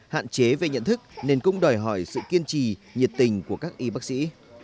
hạn chế về nhận thức nên cũng đòi hỏi sự kiên trì nhiệt tình của các y bác sĩ